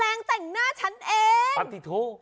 แมงแต่งหน้าฉันเอง